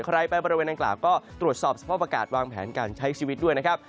ใครไปบริเวณอังกล่าวก็ตรวจสอบสภาพอากาศวางแผนการใช้ชีวิตด้วยนะครับ